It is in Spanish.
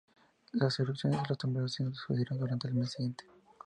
Las erupciones y los temblores se sucedieron durante el mes siguiente.